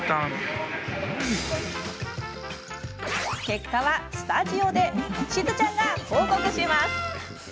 結果はスタジオでしずちゃんが報告します。